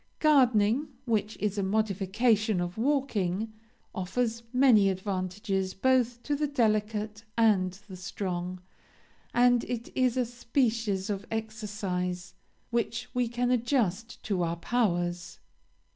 Gardening, which is a modification of walking, offers many advantages both to the delicate and the strong, and it is a species of exercise which we can adjust to our powers.